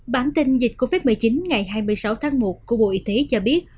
bản tin dịch covid một mươi chín ngày hai mươi sáu tháng một của bộ y tế cho biết